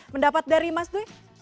mendapat dari mas dwi